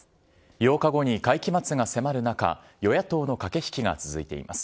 ８日後に会期末が迫る中、与野党の駆け引きが続いています。